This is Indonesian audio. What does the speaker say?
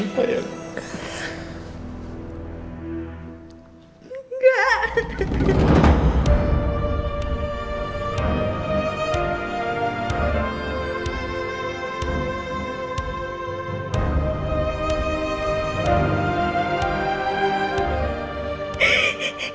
tuhan tuhan tuhan tuhan